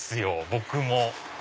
僕も。